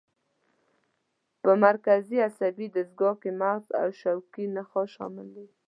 په مرکزي عصبي دستګاه کې مغز او شوکي نخاع شامل دي.